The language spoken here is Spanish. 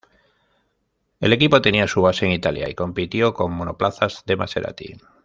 El equipo tenía su base en Italia y compitió con monoplazas de Maserati.